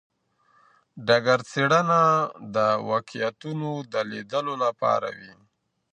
ډګر څېړنه د واقعیتونو د لیدلو لپاره وي.